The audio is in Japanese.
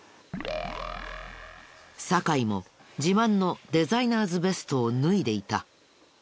酒井も自慢のデザイナーズベストを脱いでいた。